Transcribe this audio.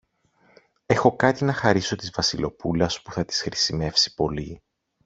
Έχω κάτι να χαρίσω της Βασιλοπούλας που θα της χρησιμεύσει πολύ.